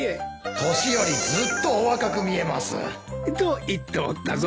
年よりずっとお若く見えますと言っておったぞ。